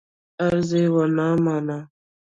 عرض یې ونه مانه.